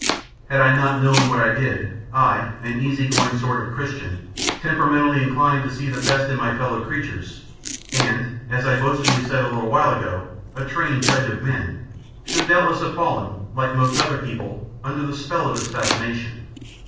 Had I not known what I did, I, an easy going sort of Christian temperamentally inclined to see the best in my fellow creatures, and, as I boastingly said a little while ago, a trained judge of men, should doubtless have fallen, like most other people, under the spell of his fascination.